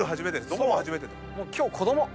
どこも初めて。